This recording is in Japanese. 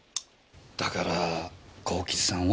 だから幸吉さんを？